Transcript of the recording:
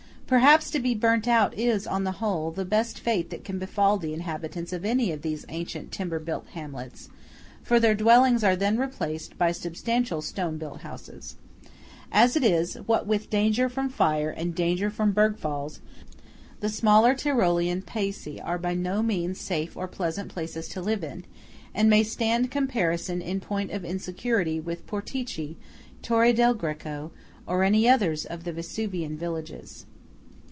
Perhaps to be burnt out is, on the whole, the best fate that can befall the inhabitants of any of these ancient timber built hamlets; for their dwellings are then replaced by substantial stone built houses. As it is, what with danger from fire and danger from bergfalls, the smaller Tyrolean "paesi" are by no means safe or pleasant places to live in, and may stand comparison in point of insecurity with Portici, Torre del Greco, or any others of the Vesuvian villages.